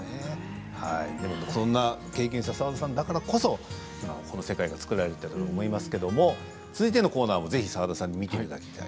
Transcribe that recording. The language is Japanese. そんな経験した澤田さんだからこそ、この世界が作られたと思いますけど続いてのコーナーもぜひ澤田さんに見ていただきたい。